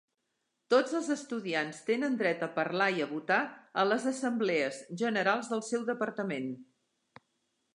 Tots els estudiants tenen dret a parlar i a votar a les assemblees generals del seu departament.